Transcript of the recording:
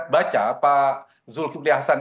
baca pak zulkifli hasan